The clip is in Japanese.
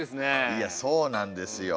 いやそうなんですよ。